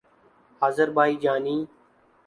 Azerbaijani